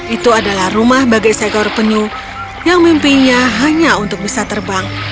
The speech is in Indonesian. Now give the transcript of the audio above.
itu adalah rumah bagi sekor penyu yang mimpinya hanya untuk bisa terbang